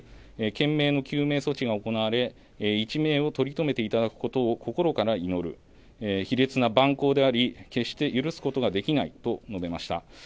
懸命の救命措置が行われ一命を取り留めていただくことを心から祈る卑劣な蛮行であり決して許すことはできないと述べました。